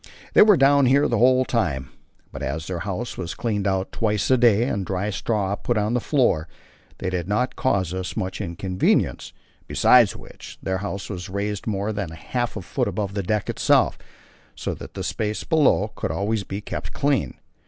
They were down here the whole time; but as their house was cleaned out twice a day and dry straw put on the floor, they did not cause us much inconvenience; besides which, their house was raised more than half a foot above the deck itself, so that the space below could always be kept clean.